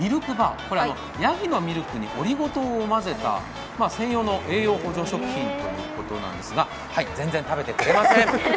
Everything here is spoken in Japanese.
やぎのミルクにオリゴ糖混ぜた、専用の補助食品ということですが全然、食べてくれません。